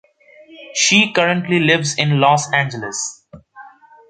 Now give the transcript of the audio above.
She currently lives in Los Angeles.